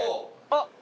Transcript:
あっ！